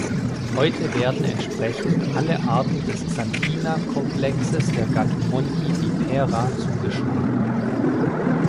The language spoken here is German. Heute werden entsprechend alle Arten des xanthina-Kolmplexes der Gattung "Montivipera" zugeschlagen.